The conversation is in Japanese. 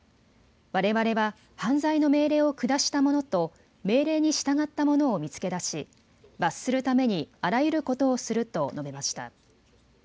われわれは犯罪の命令を下した者と命令に従った者を見つけ出し罰するためにあらゆることをすると述べました。